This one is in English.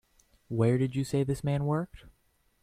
Where did you say this man worked?